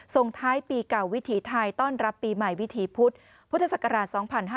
ส่งท้ายปีเก่าวิถีไทยต้อนรับปีใหม่วิถีพุธพุทธศักราช๒๕๕๙